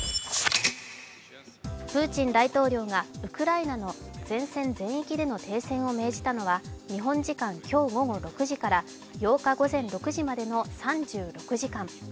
プーチン大統領がウクライナの前線全域での停戦を命じたのは、日本時間今日午後６時から８日午前６時までの３６時間。